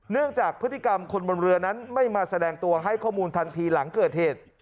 จากพฤติกรรมคนบนเรือนั้นไม่มาแสดงตัวให้ข้อมูลทันทีหลังเกิดเหตุ